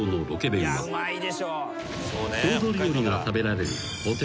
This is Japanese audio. ［郷土料理が食べられる布袋。